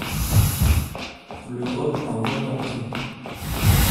L'Europe en retentit.